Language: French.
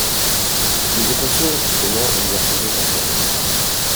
Des équations, justement, ils en faisaient ensemble.